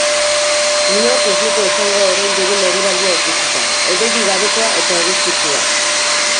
Inork ez luke esango orain dugun eguraldia ikusita, hodeirik gabekoa eta eguzkitsua.